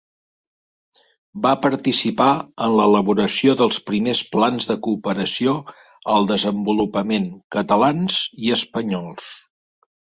Va participar en l'elaboració dels primers plans de cooperació al desenvolupament catalans i espanyols.